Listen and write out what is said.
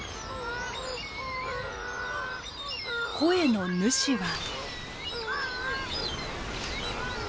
声の主は。